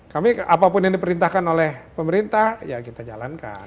kami apapun yang diperintahkan oleh pemerintah ya kita jalankan